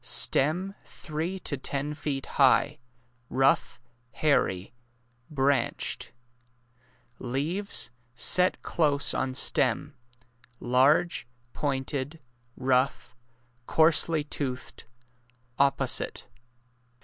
Stem three to ten feet high— rough— hairy —branched. Leaves— set close on stem— large— pointed —rough— coarsely toothed — opposite.